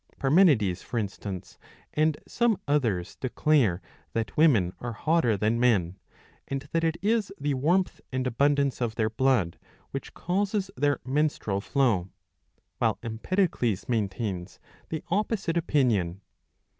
Parmenides, for instance, and some others declare that women are hotter than men,^ and that it is the warmth and abundance of their blood which causes their menstrual flow, while Empedocles maintains the opposite opinion.